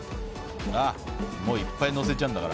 いっぱいのせちゃうんだから。